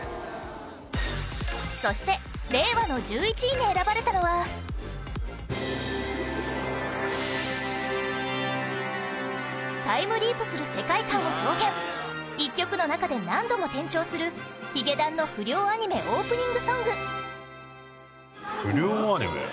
そして令和の１１位に選ばれたのはタイムリープする世界観を表現１曲の中で何度も転調するヒゲダンの不良アニメオープニングソング不良アニメ？